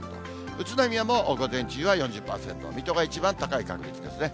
宇都宮も午前中は４０％、水戸が一番高い確率ですね。